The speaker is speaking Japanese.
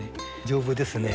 丈夫ですね。